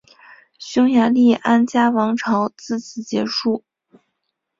匈牙利安茄王朝自此结束。